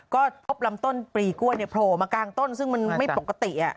ก็พบลำต้นปรีกล้วยโผล่มากลางต้นซึ่งมันไม่ปกติ